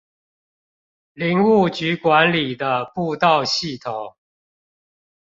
林務局管理的步道系統